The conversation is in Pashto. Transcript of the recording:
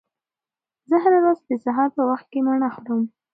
زه هره ورځ د سهار په وخت کې مڼه خورم.